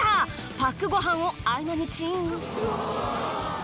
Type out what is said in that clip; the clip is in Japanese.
パックご飯を合間にチン！